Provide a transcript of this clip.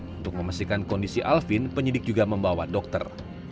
untuk memastikan kondisi alvin penyidik juga membawa dokter